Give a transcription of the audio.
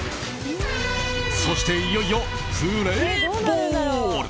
そして、いよいよプレーボール！